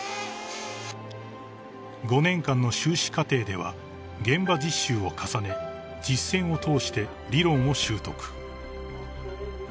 ［５年間の修士課程では現場実習を重ね実践を通して理論を習得］